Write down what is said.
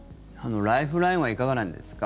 ライフラインはいかがなんですか？